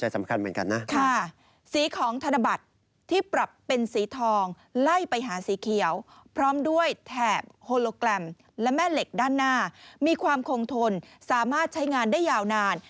สำคัญเหมือนกันนะสีของธนบัตรที่ปรับเป็นสีทองไล่ไปหาสีเขียวพร้อมด้วยแถบโฮโลแกรมและแม่เหล็กด้านหน้ามีความคงทนสามารถใช้งานได้ยาวนาน